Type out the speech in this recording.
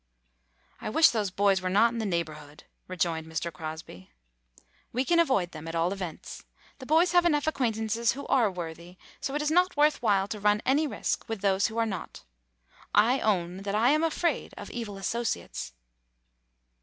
"I wish those boys were not in the neigh borhood," rejoined Mr. Crosby. "We can avoid them, at all events. The boys have enough acquaintances who are worthy, so it is not worth while to run any risk with those who are not. I own that I am afraid of evil associates."